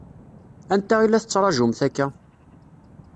Anta i la tettṛaǧumt akka?